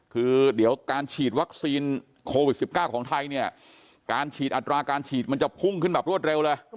คือเดี๋ยวการฉีดวัคซีนโควิด๑๙ของไทยเนี่ยการฉีดอัตราการฉีดมันจะพุ่งขึ้นแบบรวดเร็วเลย